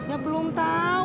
ya belum tau